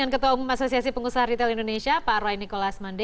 dan mereka juga akan meminta penolongan dengan angka kecil atau tinggi berkisar anda